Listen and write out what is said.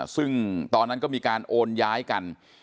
ซึ่งตอนนั้นก็มีการโอนย้ายกัน